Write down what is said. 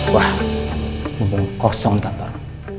wah belum kosong ditantang